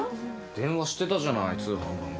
「電話してたじゃない通販番組」